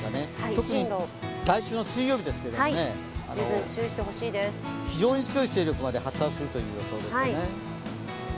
特に来週の水曜日ですけどもね非常に強い勢力まで発達するという予想ですよね。